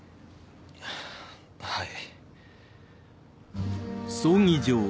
はい。